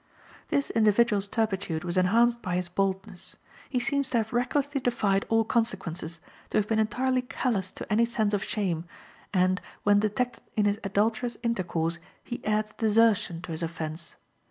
This individual's turpitude was enhanced by his boldness. He seems to have recklessly defied all consequences, to have been entirely callous to any sense of shame, and, when detected in his adulterous intercourse, he adds desertion to his offense.